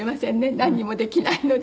なんにもできないので。